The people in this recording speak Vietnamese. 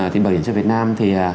thì bảo hiểm xã hội việt nam